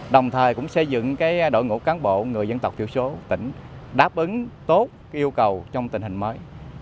đồng thời cũng xây dựng đội ngũ cán bộ người dân tộc thiểu số tỉnh đáp ứng tốt yêu cầu trong tình hình mới